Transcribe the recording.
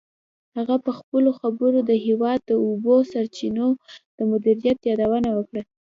هغه په خپلو خبرو کې د هېواد د اوبو سرچینو د مدیریت یادونه وکړه.